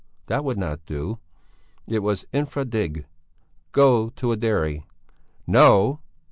That would not do; it was infra dig. Go to a dairy? No!